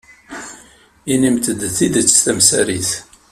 Inimt-d tidet tamsarit.